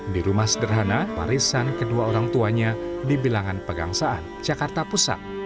di rumah sederhana parisan kedua orang tuanya di bilangan pegangsaan jakarta pusat